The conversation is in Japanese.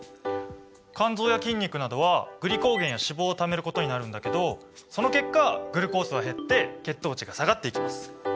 肝臓や筋肉などはグリコーゲンや脂肪をためることになるんだけどその結果グルコースは減って血糖値が下がっていきます。